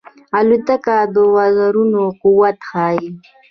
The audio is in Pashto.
الوتکه د وزرونو قوت ښيي.